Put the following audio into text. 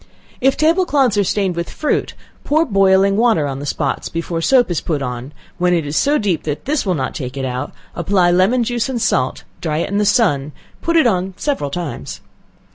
If table cloths are stained with fruit, pour boiling water on the spots before soap is put on, when it is so deep that this will not take it out, apply lemon juice and salt, dry it in the sun, and put it on several times.